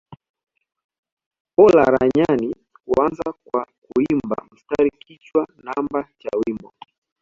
Olaranyani huanza kwa kuimba mstari kichwa namba cha wimbo